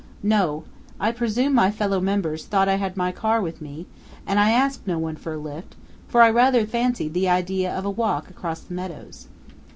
"No. I presume my fellow members thought I had my car with me, and I asked no one for a lift, for I rather fancied the idea of a walk across the meadows."